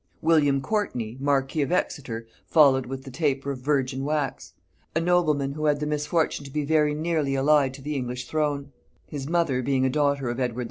William Courtney marquis of Exeter followed with the taper of virgin wax; a nobleman who had the misfortune to be very nearly allied to the English throne; his mother being a daughter of Edward IV.